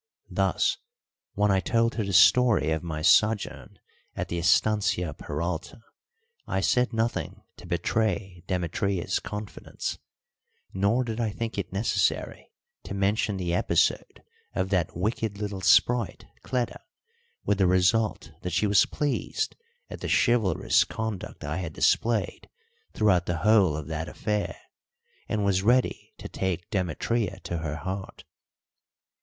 Thus, when I told her the story of my sojourn at the estancia Peralta, I said nothing to betray Demetria's confidence; nor did I think it necessary to mention the episode of that wicked little sprite, Cleta; with the result that she was pleased at the chivalrous conduct I had displayed throughout the whole of that affair, and was ready to take Demetria to her heart.